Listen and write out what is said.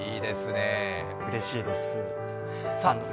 うれしいです。